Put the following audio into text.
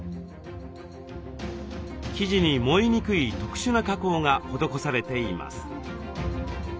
生地に燃えにくい特殊な加工が施されています。